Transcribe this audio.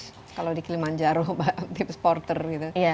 belum ada yang kayaknya di kilimanjaro tips porter gitu